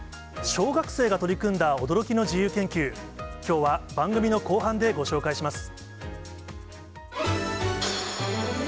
小学生が取り組んだ驚きの自由研究、きょうは番組の後半でご紹介します。